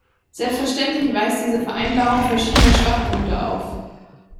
Selbstverständlich weist diese Vereinbarung verschiedene Schwachpunkte auf.